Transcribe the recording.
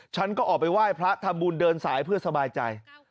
ฉันก็ออกไปไหว้พระทำบุญเดินสายเพื่อสบายใจ